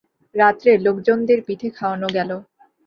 রাত্রে লোকজনদের পিঠে খাওয়ানো গেল।